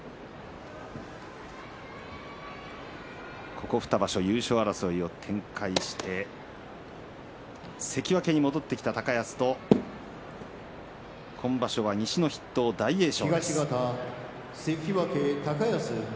ここ２場所、優勝争いを展開して関脇に戻ってきた高安と今場所は西の筆頭大栄翔。